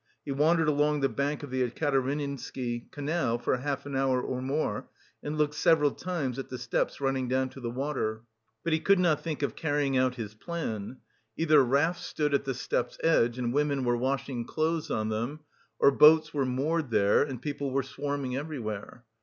He wandered along the bank of the Ekaterininsky Canal for half an hour or more and looked several times at the steps running down to the water, but he could not think of carrying out his plan; either rafts stood at the steps' edge, and women were washing clothes on them, or boats were moored there, and people were swarming everywhere.